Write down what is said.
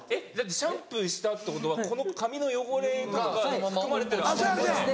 シャンプーしたってことはこの髪の汚れとか含まれてる泡で。